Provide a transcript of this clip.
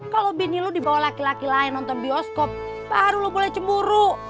kalau bini lu dibawa laki laki lain nonton bioskop baru lu mulai cemburu